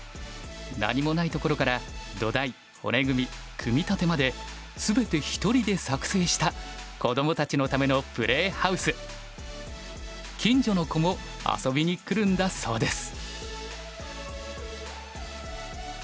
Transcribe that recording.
何もないところから土台骨組み組み立てまで全て一人で作成した近所の子も遊びに来るんだそうです。